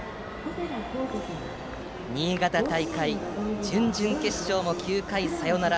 新潟大会準々決勝も９回サヨナラ。